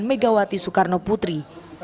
megawati soekarno putri